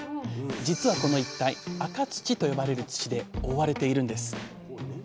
実はこの一帯赤土と呼ばれる土で覆われているんです。